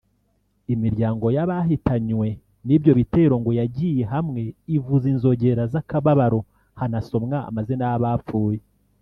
imiryango y’abahitanywe n’ibyo bitero ngo yagiye hamwe ivuza inzogera z’akababaro hanasomwa amazina y’abapfuye